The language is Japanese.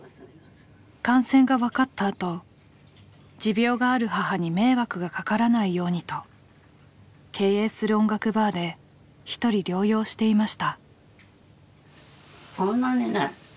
感染が分かったあと持病がある母に迷惑がかからないようにと経営する音楽バーで１人療養していました。